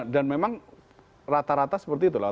dan memang rata rata seperti itu lah